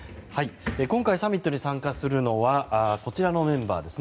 今回のサミットに参加するのはこちらのメンバーです。